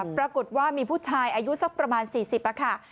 ปรากฏว่ามีผู้ชายอายุสักประมาณ๔๐ค่ะ